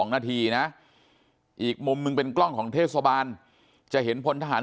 นาทีนะอีกมุมหนึ่งเป็นกล้องของเทศบาลจะเห็นพลทหาร